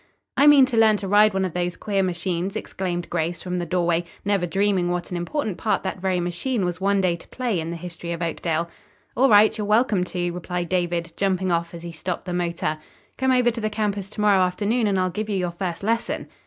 "I mean to learn to ride one of those queer machines," exclaimed Grace from the doorway, never dreaming what an important part that very machine was one day to play in the history of Oakdale. "All right, you're welcome to," replied David, jumping off as he stopped the motor. "Come over to the campus to morrow afternoon, and I'll give you your first lesson."